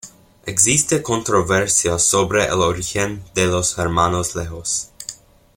Existe controversia sobre el origen de los hermanos legos.